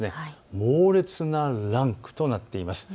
猛烈なランクとなっています。